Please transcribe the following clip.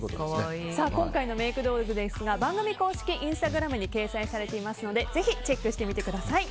今回のメイク道具ですが番組公式インスタグラムに掲載されていますのでぜひチェックしてみてください。